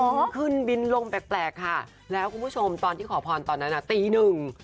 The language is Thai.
ขึ้นบินลงแปลกค่ะแล้วคุณผู้ชมตอนที่ขอพรตอนนั้นอ่ะตีหนึ่ง